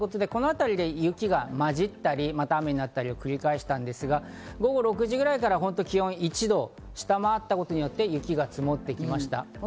このあたりで雪がまじったり、また雨になったりを繰り返したんですが午後６時ぐらいから気温が１度を下回ったことによって雪が積もってきました。